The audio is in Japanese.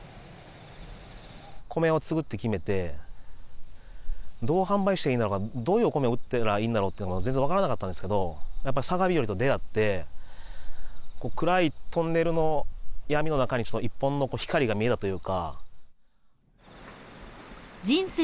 米屋を継ぐって決めてどう販売していいんだろうかどういうお米を売ったらいいんだろうっていうのが全然わからなかったんですけどやっぱりさがびよりと出会って暗いトンネルの闇の中に一本の光が見えたというか。